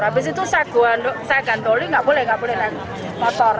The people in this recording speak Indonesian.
abis itu saya gantolin gak boleh gak boleh naik motor